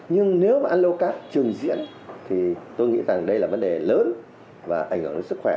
nhưng nếu mà alocab trường diễn thì tôi nghĩ rằng đây là vấn đề lớn và ảnh hưởng đến sức khỏe